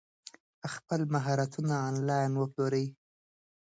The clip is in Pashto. خپل مهارتونه انلاین وپلورئ.